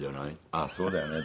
「あっそうだよね。